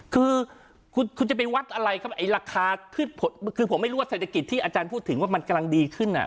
คือคุณจะไปวัดอะไรครับไอ้ราคาขึ้นคือผมไม่รู้ว่าเศรษฐกิจที่อาจารย์พูดถึงว่ามันกำลังดีขึ้น